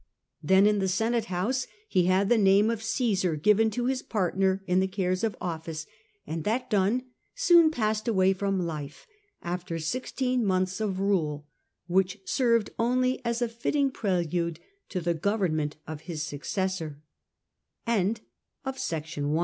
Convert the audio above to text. Then in the senate house he had the name of Caesar given to his partner in the cares of office, and that done, soon passed away from life, after sixteen months of rule, which served only as a 6tting prelude to the government of his